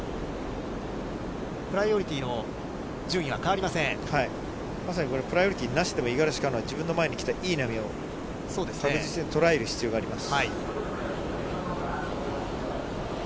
プライオリティーの順位は変わりまさにこれはプライオリティーなしでも五十嵐カノア、自分の前に来たいい波を確実に捉える必要があります。